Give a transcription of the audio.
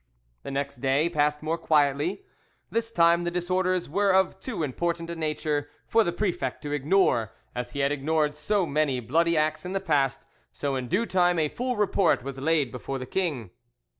The next day passed more quietly. This time the disorders were of too important a nature for the prefect to ignore, as he had ignored so many bloody acts in the past; so in due time a full report was laid before the king.